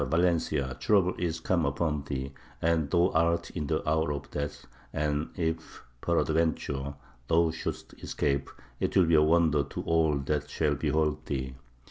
Valencia! trouble is come upon thee, and thou art in the hour of death; and if peradventure thou shouldst escape, it will be a wonder to all that shall behold thee.